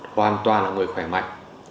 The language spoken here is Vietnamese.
hoàn toàn là người khỏe mạnh